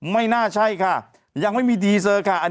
ไม่ฉันไม่ยังคิดว่ามันจะมีซีซัน๒